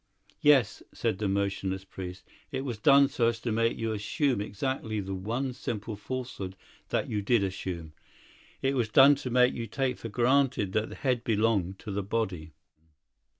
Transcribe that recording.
"Yes," said the motionless priest, "it was done so as to make you assume exactly the one simple falsehood that you did assume. It was done to make you take for granted that the head belonged to the body."